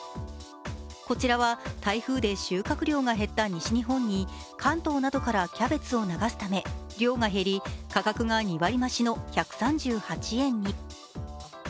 こちらは台風で収穫量が減った西日本に関東などからキャベツを流すため量が減り、価格が２割増しの１３８円に。